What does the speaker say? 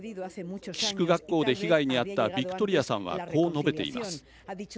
寄宿学校で被害に遭ったビクトリアさんはこう述べています。